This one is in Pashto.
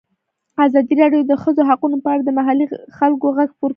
ازادي راډیو د د ښځو حقونه په اړه د محلي خلکو غږ خپور کړی.